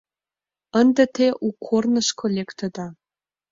Ынде те у корнышко лектыда.